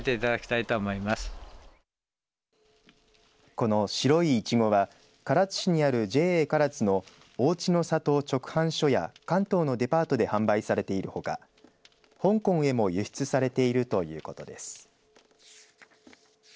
この白いいちごは唐津市にあるＪＡからつの逢地の里直販所や関東のデパートで販売されているほか香港へも輸出されているということです。